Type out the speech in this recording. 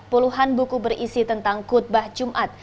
puluhan buku berisi tentang khutbah jumat